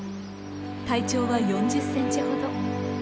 体長は４０センチほど。